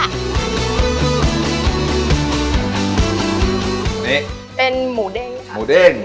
นี่เป็นหมูเด้งค่ะหมูเด้ง